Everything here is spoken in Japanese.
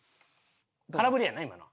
空振りやな今の。